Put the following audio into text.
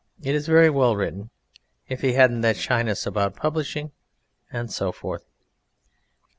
It is very well written. If he hadn't that shyness about publishing ... and so forth.